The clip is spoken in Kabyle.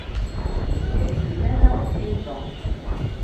Iɛeyyen-aneɣ-d Yuba.